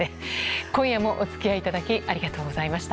今夜も、お付き合いいただきありがとうございました。